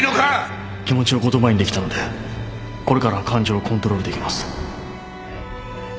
気持ちを言葉にできたのでこれからは感情をコントロールできます